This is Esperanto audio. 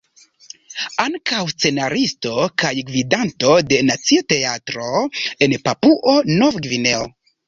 Ankaŭ scenaristo kaj gvidanto de Nacia Teatro en Papuo-Nov-Gvineo.